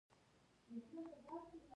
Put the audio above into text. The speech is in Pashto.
د جهانی سیب ملاحظات ابتدایي ښکاري.